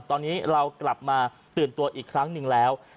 ตอนนี้เรากลับมาตื่นตัวอีกครั้งหนึ่งแล้ว